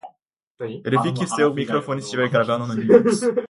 Verifique seu microfone se estiver gravando no Linux